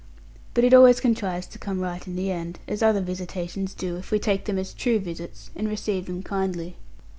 But it always contrives to come right in the end, as other visitations do, if we take them as true visits, and receive them kindly.